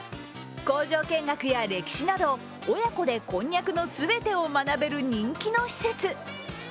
工場見学や歴史など、親子でこんにゃくの全てを学べる人気の施設。